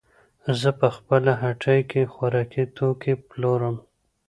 زه په خپله هټۍ کې خوراکي توکې پلورم.